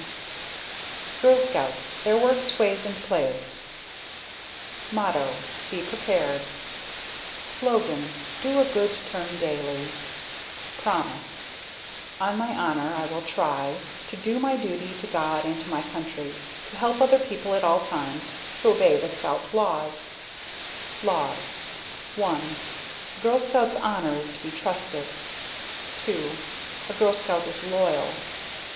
5_ GIRL SCOUTS MOTTO "Be Prepared" [Illustration: Girl Scout Logo] SLOGAN "Do A Good Turn Daily" PROMISE On My Honor, I Will Try: To do my duty to God and to my Country To help other people at all times To obey the Scout Laws LAWS I A Girl Scout's Honor is to be trusted. II A Girl Scout is loyal.